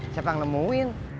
siapa yang nemuin